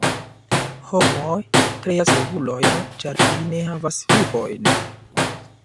Homoj kreas regulojn ĉar ili ne havas vivojn.